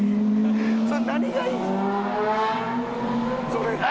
それ何がいいん？